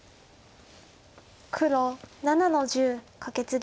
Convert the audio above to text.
黒７の十カケツギ。